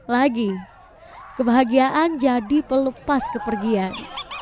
lagi kebahagiaan jadi pelepas kepergian